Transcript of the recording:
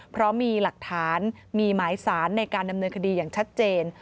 เพราะมีหลักฐานมีหมายสารในการดำเนินคดีอย่างชัดเจน